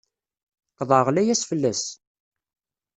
Qeḍɛeɣ layas fell-as!